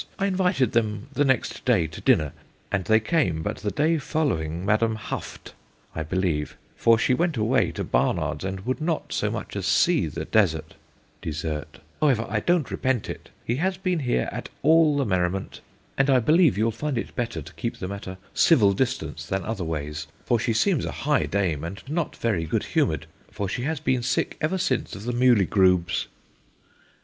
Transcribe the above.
I invited them the next day to dinner and they came, but the day following Madam huff'd (I believe), for she went away to Barnard's, and wou'd not so much as see the desert [dessert]; however, I don't repent it, he has been here at all the merryment, and I believe you'll find it better to keep them at a civil distance than other ways, for she seems a high dame and not very good humoured, for she has been sick ever since of the mulygrubes."